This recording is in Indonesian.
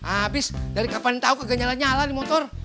abis dari kapan tau kagak nyala nyala nih motor